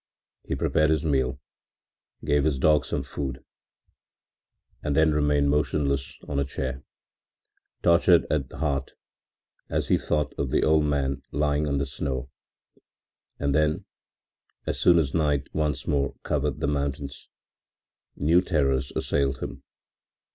He prepared his meal, gave his dog some food and then remained motionless on a chair, tortured at heart as he thought of the old man lying on the snow, and then, as soon as night once more covered the mountains, new terrors assailed him.